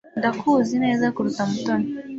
Ndakuzi neza kuruta Mutoni.